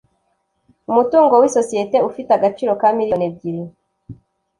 umutungo w’ isosiyete ufite agaciro ka miliyoni ebyili